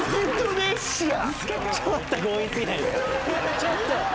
ちょっと！